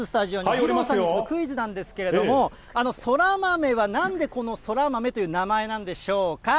義堂さんにクイズなんですけども、そら豆はなんで、このそら豆という名前なんでしょうか。